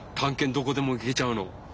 どこでも行けちゃうの。